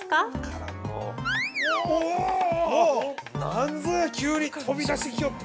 何ぞや、急に飛び出してきよった。